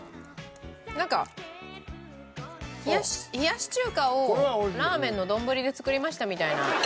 なんか冷やし中華をラーメンのどんぶりで作りましたみたいな。